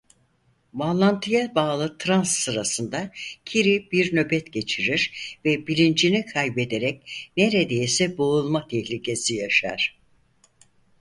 Bağlantıya bağlı trans sırasında Kiri bir nöbet geçirir ve bilincini kaybederek neredeyse boğulma tehlikesi yaşar.